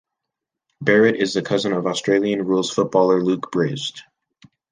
Barrett is the cousin of Australian rules footballer Luke Breust.